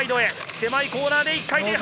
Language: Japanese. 狭いコーナーで１回転半。